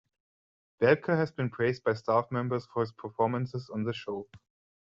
Welker has been praised by staff members for his performances on the show.